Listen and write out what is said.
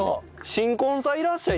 『新婚さんいらっしゃい！』